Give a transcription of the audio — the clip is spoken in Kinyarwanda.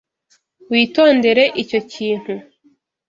Witondere icyo kintu.